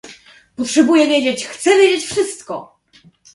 "potrzebuję wiedzieć, chcę wiedzieć wszystko!"